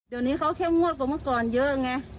เดี๋ยวนี้เขาเข้มงวดกว่าเมื่อก่อนเยอะไง